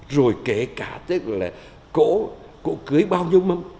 rồi kể cả tức là cỗ cổ cưới bao nhiêu mâm